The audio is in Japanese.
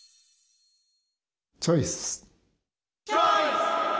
チョイス！